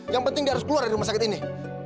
yang penting dia harus keluar dari rumah sakit ini